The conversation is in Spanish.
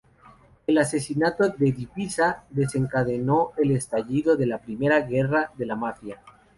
El asesinato di Pisa desencadenó el estallido de la Primera guerra de la mafia.